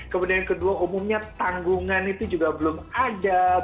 kemudian yang kedua umumnya tanggungan itu juga belum ada